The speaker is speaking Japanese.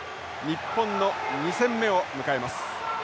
日本の２戦目を迎えます。